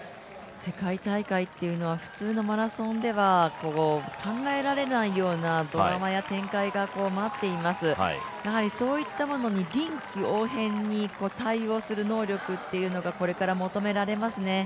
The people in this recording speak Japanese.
世界大会というのは普通のマラソンでは考えられないようなドラマや展開が待っています、やはりそういったものに臨機応変に対応する能力というのがこれから求められますね。